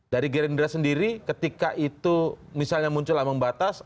dari gerindra sendiri ketika itu misalnya muncul ambang batas